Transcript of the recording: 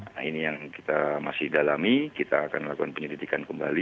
nah ini yang kita masih dalami kita akan lakukan penyelidikan kembali